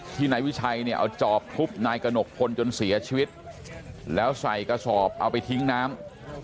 นายวิชัยเนี่ยเอาจอบทุบนายกระหนกพลจนเสียชีวิตแล้วใส่กระสอบเอาไปทิ้งน้ำ